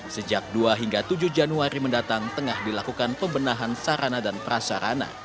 sejak dua hingga tujuh januari mendatang tengah dilakukan pembenahan sarana dan prasarana